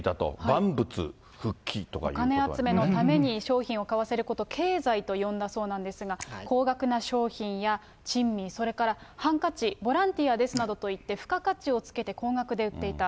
ばんぶつふっきという、商品を買わせること、けいざいと呼んだそうなんですが、高額な商品や、珍味、それからハンカチ、ボランティアですなどと言って、付加価値をつけて高額で売っていた。